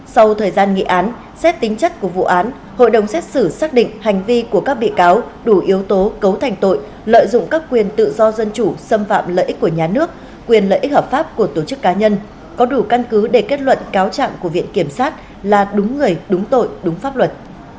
sau thời gian nghị án xét tính chất của vụ án hội đồng xét xử xác định hành vi của các bị cáo đủ yếu tố cấu thành tội lợi dụng các quyền tự do dân chủ xâm phạm lợi ích của nhà nước quyền lợi ích hợp pháp của tổ chức cá nhân có đủ căn cứ để kết luận cáo trạng của viện kiểm sát là đúng người đúng tội đúng pháp luật